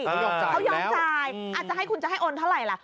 เขายอมจ่ายอาจจะให้คุณจะให้โอนเท่าไหร่ล่ะ